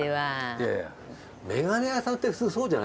いやいやメガネ屋さんって普通そうじゃないよ。